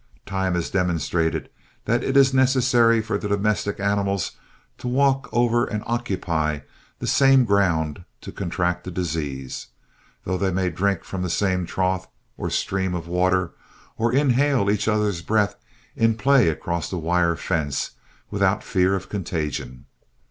Time has demonstrated that it is necessary for the domestic animals to walk over and occupy the same ground to contract the disease, though they may drink from the same trough or stream of water, or inhale each other's breath in play across a wire fence, without fear of contagion.